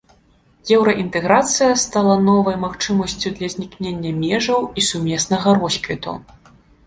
Еўраінтэграцыя стала новай магчымасцю для знікнення межаў і сумеснага росквіту.